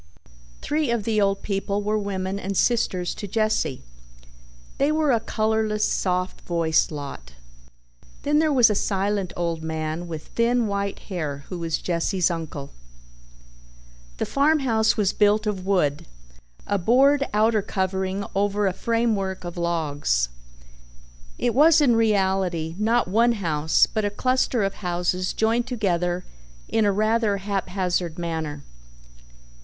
Three of the old people were women and sisters to Jesse. They were a colorless, soft voiced lot. Then there was a silent old man with thin white hair who was Jesse's uncle. The farmhouse was built of wood, a board outer covering over a framework of logs. It was in reality not one house but a cluster of houses joined together in a rather haphazard manner.